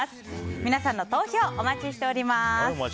皆さんの投票お待ちしております。